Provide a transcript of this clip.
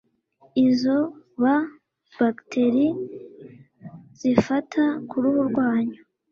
izo ba bagiteri zifata ku ruhu rwanyu